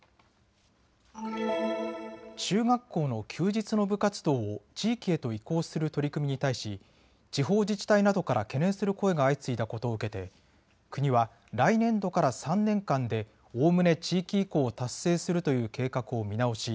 中学校の休日の部活動を地域へと移行する取り組みに対し地方自治体などから懸念する声が相次いだことを受けて国は来年度から３年間でおおむね地域移行を達成するという計画を見直し